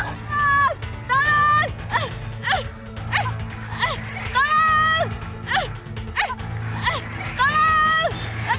kenapa dia berteriak begitu